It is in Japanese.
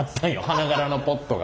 花柄のポットが。